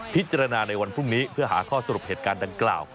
ในวันพรุ่งนี้เพื่อหาข้อสรุปเหตุการณ์ดังกล่าว